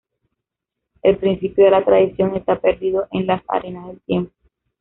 El principio de la tradición está perdido en las arenas del tiempo.